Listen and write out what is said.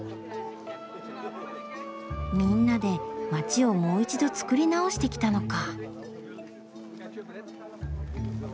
みんなで街をもう一度つくり直してきたのか。